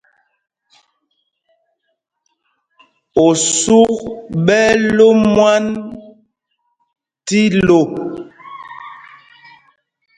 Osuk ɓɛ́ ɛ́ ló mwân tí lo.